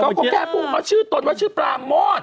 เขาก็แก้พูดเขาชื่อตนว่าชื่อประโมท